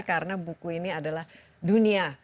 karena buku ini adalah dunia